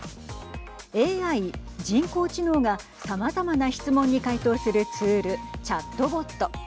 ＡＩ＝人工知能がさまざまな質問に回答するツールチャットボット。